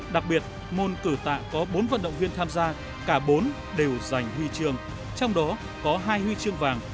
đặc biệt môn cử tạ có bốn vận động viên tham gia cả bốn đều giành huy chương trong đó có hai huy chương vàng